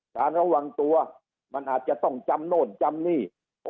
ระวังตัวมันอาจจะต้องจำโน่นจำนี่